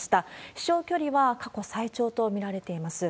飛しょう距離は過去最長と見られています。